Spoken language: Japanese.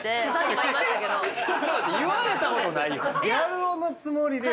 言われたことないよ。